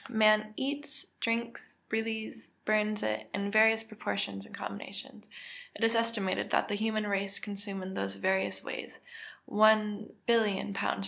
_ Man eats, drinks, breathes, and burns it, in various proportions and combinations. It is estimated that the human race consume in those various ways 1,000,000,000 lbs.